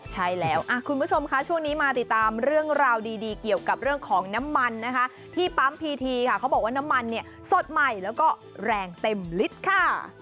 ใช่แล้วคุณผู้ชมค่ะช่วงนี้มาติดตามเรื่องราวดีเกี่ยวกับเรื่องของน้ำมันนะคะที่ปั๊มพีทีค่ะเขาบอกว่าน้ำมันเนี่ยสดใหม่แล้วก็แรงเต็มลิตรค่ะ